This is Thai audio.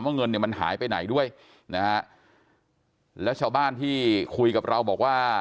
เงินเนี่ยมันหายไปไหนด้วยนะฮะแล้วชาวบ้านที่คุยกับเราบอกว่า